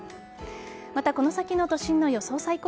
また、この先の都心の予想